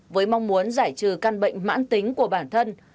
với mong muốn giải trừ căn bệnh mãn tính của bản thân